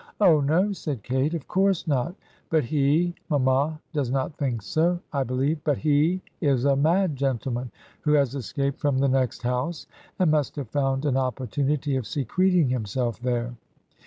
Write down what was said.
'Oh, no,' said Kate; 'of course not; but he — ^mamma does not think so, 1 believe — but he is a mad gentleman who has escaped from the next house, and must have fotmd an oppor tunity of secreting himself there.'